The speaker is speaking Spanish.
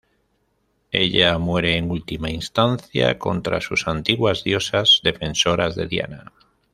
Ella muere en última instancia contra sus antiguas diosas defensoras de Diana.